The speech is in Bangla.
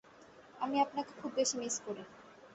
আমি আপনাকে খুব বেশি মিস করি।